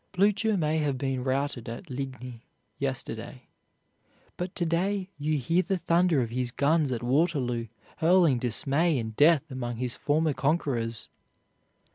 Blücher may have been routed at Ligny yesterday, but to day you hear the thunder of his guns at Waterloo hurling dismay and death among his former conquerors.